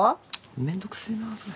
めんどくせえなそれ。